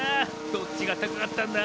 どっちがたかかったんだ？